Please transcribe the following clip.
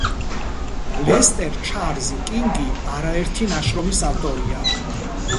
ლესტერ ჩარლზ კინგი არაერთი ნაშრომის ავტორია.